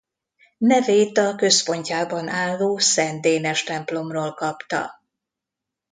Nevét a központjában álló Szent Dénes templomról kapta.